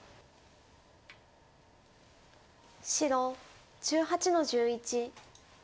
白１８の十一。